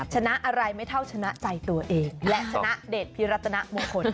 ชนะอะไรไม่เท่าชนะใจตัวเองและชนะเดชพิรัตนมงคล